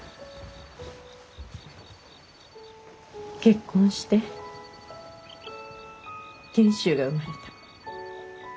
結婚して賢秀が生まれた。